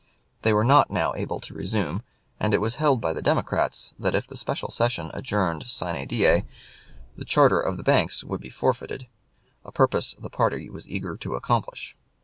They were not now able to resume, and it was held by the Democrats that if the special session adjourned sine die the charter of the banks would be forfeited, a purpose the party was eager to accomplish.